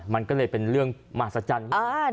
มันก็เลยเป็นเรื่องมหัศจรรย์มาก